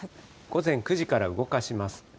午前９時から動かします。